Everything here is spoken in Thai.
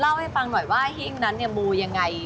เล่าให้ฟังหน่อยว่าหิ้งนั้นเนี่ยมูยังไง